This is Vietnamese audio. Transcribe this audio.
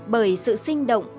bởi sự sinh động